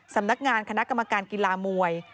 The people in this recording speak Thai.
สำนักงานคณะกรรมการกีฬามวย